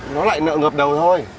nó lại nợ ngập đầu thôi